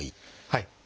はい。